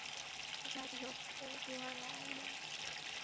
যাই হোক, উনি কিভাবে মারা গেলেন?